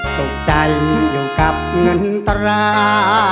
สุขใจอยู่กับเงินตรา